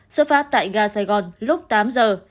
xuất phát tại gà sài gòn lúc tám giờ